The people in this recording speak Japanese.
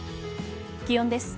気温です。